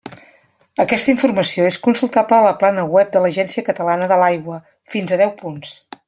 Aquesta informació és consultable a la plana web de l'Agència Catalana de l'Aigua: fins a deu punts.